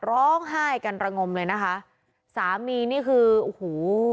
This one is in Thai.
ร้องไห้กันระงมเลยนะคะสามีนี่คือโอ้โห